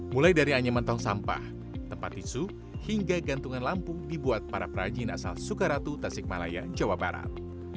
mulai dari anyaman tong sampah tempat tisu hingga gantungan lampu dibuat para perajin asal sukaratu tasikmalaya jawa barat